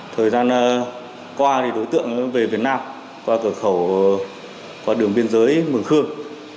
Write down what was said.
thời gian qua đối tượng về việt nam qua cửa khẩu qua đường biên giới mường khương